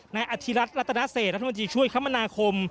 นายอธิรัฐรัตนาเศษรัฐมนตรีช่วยคมนาคม